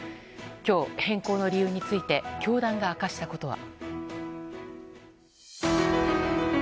今日、変更の理由について教団が明かしたことは。